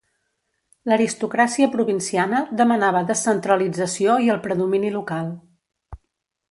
L'aristocràcia provinciana demanava descentralització i el predomini local.